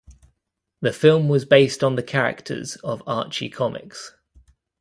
The film was based on the characters of Archie Comics.